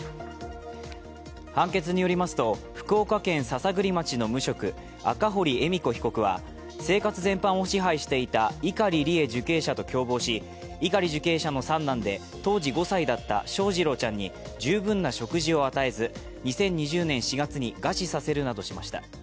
判決によりますと、福岡県篠栗町の無職、赤堀恵美子被告は生活全般を支配していた碇利恵受刑者と共謀し、碇受刑者の三男で当時５歳だった翔士郎ちゃんに十分な食事を与えず２０２０年４月に餓死させるなどしました。